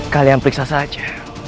kalian periksa saja